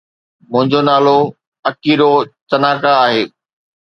منهنجو نالو Achiro Tanaka آهي.